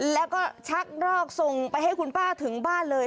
แล้วก็ชักรอกส่งไปให้คุณป้าถึงบ้านเลย